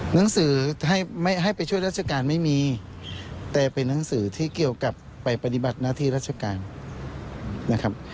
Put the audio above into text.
ครูยืนยังไหมคะว่ายังไม่มีหนังสือนะคะ